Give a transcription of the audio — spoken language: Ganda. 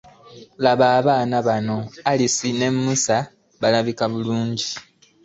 Laba abaana bano, Alisi ne Musa balabika bulungi.